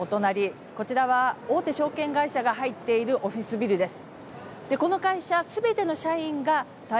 こちらは大手証券会社が入っているオフィスビルです。